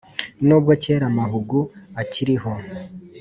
n’ubwo kera amahugu akiriho